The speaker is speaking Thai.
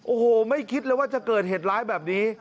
โอ้โหไม่คิดเลยว่าจะเกิดเหตุร้ายแบบนี้